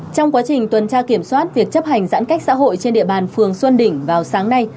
trong quá trình tuần tra kiểm soát việc chấp hành giãn cách xã hội trên địa bàn phường xuân đỉnh vào sáng nay